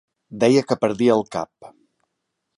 Deia que perdia el cap.